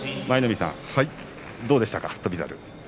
舞の海さんどうでしたか？